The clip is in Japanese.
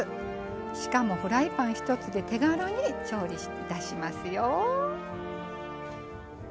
しかもフライパン一つで手軽に調理いたしますよ。